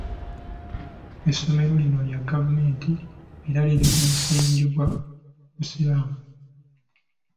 Essomero lino lya gavumenti era liri ku musingi gwa busiraamu.